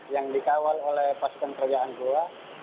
yang dikawal oleh pasukan kerajaan goa